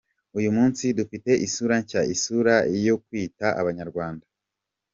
Uyu munsi dufite isura nshya, isura yo kwitwa ‘Abanyarwanda’.